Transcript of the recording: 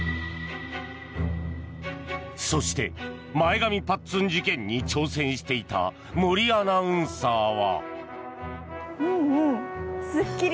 そして、前髪ぱっつん事件に挑戦していた森アナウンサーは。